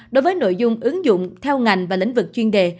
đối với nội dung ứng dụng theo ngành và lĩnh vực chuyên đề